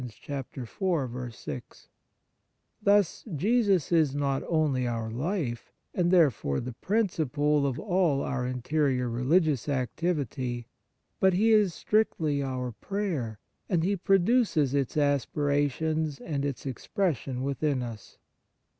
t Thus, Jesus is not only our life, and therefore the principle of all our in terior religious activity, but He is strictly our prayer, and He produces its aspirations and its expression within us.